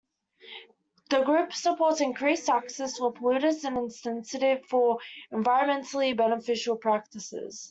The group supports increased taxes for polluters and incentives for environmentally beneficial practices.